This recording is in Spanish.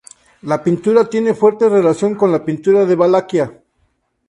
La pintura tiene fuerte relación con la pintura de Valaquia.